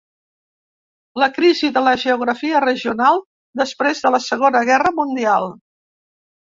La Crisi de la Geografia regional després de la Segona Guerra Mundial.